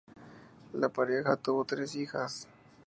La pareja tuvo tres hijas.